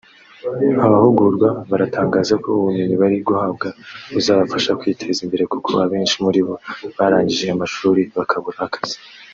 Abahugurwa baratangaza ko ubumenyi bari guhabwa buzabafasha kwiteza imbere kuko abenshi muri bo barangije amashuri bakabura akazi